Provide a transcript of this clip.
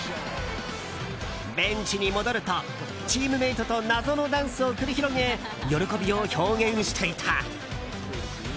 ベンチに戻ると、チームメートと謎のダンスを繰り広げ喜びを表現していた。